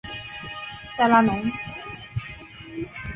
塞拉农。